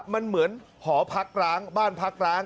มันเหมือนหอพักร้างบ้านพักร้าง